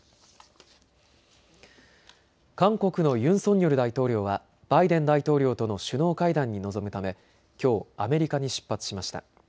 韓国のユン・ソンニョル大統領はバイデン大統領との首脳会談に臨むためきょう、アメリカに出発しました。